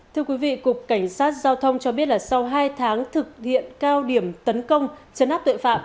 thưa quý vị cục cảnh sát giao thông cho biết là sau hai tháng thực hiện cao điểm tấn công chấn áp tội phạm